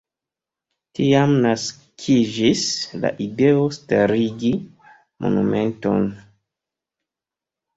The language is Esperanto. Tiam naskiĝis la ideo starigi monumenton.